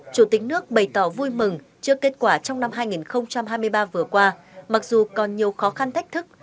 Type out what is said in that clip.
chủ tịch nước bày tỏ vui mừng trước kết quả trong năm hai nghìn hai mươi ba vừa qua mặc dù còn nhiều khó khăn thách thức